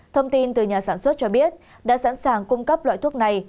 thông tin từ nhà sản xuất cho biết đã sẵn sàng cung cấp loại thuốc này